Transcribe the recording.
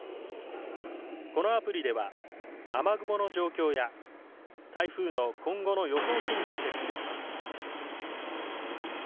このアプリでは、雨雲の状況や台風の今後の予想進路をチェックできます。